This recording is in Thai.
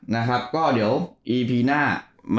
นะครับก็เดี๋ยวอีพีหน้า